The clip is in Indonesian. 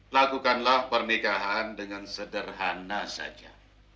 lakukanlah pernikahan dengan sederhana saja